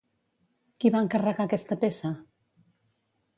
Qui va encarregar aquesta peça?